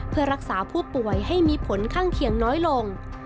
เพื่อรักษาผู้ป่วยให้มีผลข้างเคียงน้อยลง